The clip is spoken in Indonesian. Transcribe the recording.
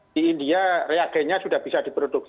di india reagennya sudah bisa diproduksi